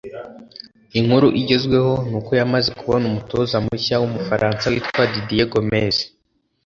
inkuru igezweho ni uko yamaze kubona umutoza mushya w’umufaransa witwa Didier Gomez